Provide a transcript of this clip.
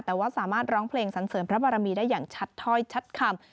แต่ว่าสามารถร้องเพลงสันเสริมพระบารมีได้อย่างชัดถ้อยชัดคำ